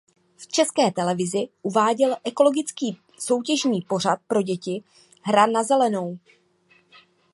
V České televizi uváděl ekologický soutěžní pořad pro děti "Hra na zelenou".